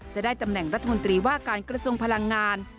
จะได้ตำแหน่งรัฐมนตรีว่าการกระทรวงพลังงาน